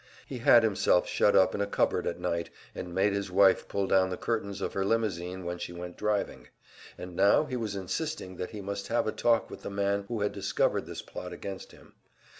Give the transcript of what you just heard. He had himself shut up in a cupboard at night, and made his wife pull down the curtains of her limousine when she went driving. And now he was insisting that he must have a talk with the man who had discovered this plot against him.